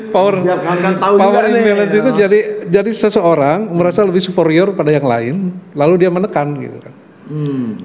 power and balance itu jadi seseorang merasa lebih superior pada yang lain lalu dia menekan gitu kan